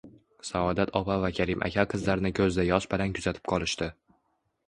Saodat opa va Karim aka qizlarini ko`zda yosh bilan kuzatib qolishdi